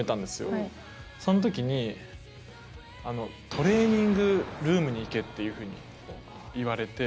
その時に「トレーニングルームに行け」っていう風に言われて。